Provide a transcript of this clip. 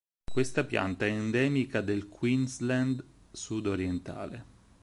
Questa pianta è endemica del Queensland sud-orientale.